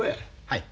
はい。